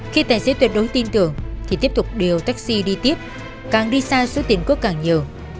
khi tài xế tuyệt đối tin tưởng thì tiếp tục điều taxi đi tiếp càng đi xa số tiền cước càng nhiều